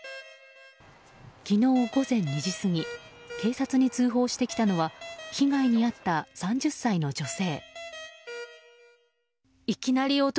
昨日午前２時過ぎ警察に通報してきたのは被害に遭った３０歳の女性。